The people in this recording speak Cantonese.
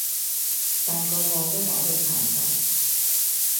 但個個都打到殘晒